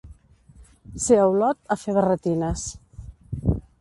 Ser a Olot, a fer barretines.